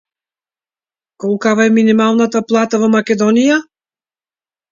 Колкава е минималната плата во Македонија?